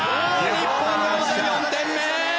日本４４点目！